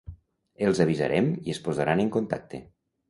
Els avisarem i es posaran en contacte.